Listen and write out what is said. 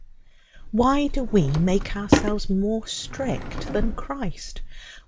Why do we make ourselves more strict than Christ?